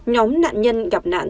nhóm nạn nhân gặp nạn